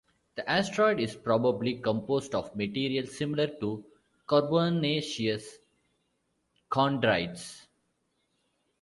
The asteroid is probably composed of material similar to carbonaceous chondrites.